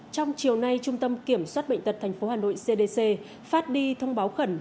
trong chiều nay trung tâm kiểm soát bệnh tật tp hà nội cdc phát đi thông báo khẩn